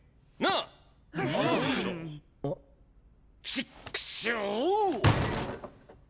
ちっくしょおう！！